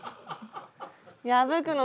破くの。